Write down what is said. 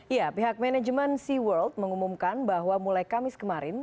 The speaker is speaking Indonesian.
ya pihak manajemen seaworld mengumumkan bahwa mulai kamis kemarin